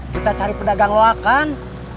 kita cari pedagang lo kang